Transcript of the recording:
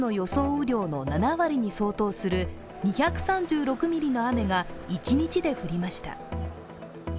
雨量の７割に相当する２３６ミリの雨が一日で降りました。